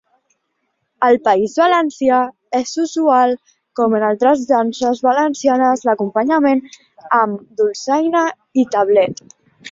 Al País Valencià és usual com en altres danses valencianes l'acompanyament amb dolçaina i tabalet.